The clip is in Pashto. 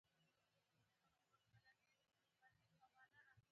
غرمه د خوړو د قدر وخت دی